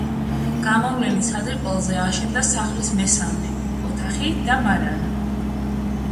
გამოვლენილ საძირკველზე აშენდა სახლის მესამე ოთახი და მარანი.